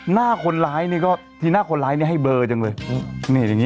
หน้าคนร้ายนี่ก็ที่หน้าคนร้ายนี่ให้เบอจังเลย